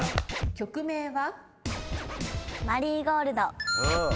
曲名は？